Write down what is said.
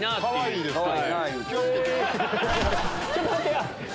ちょっと待ってよ！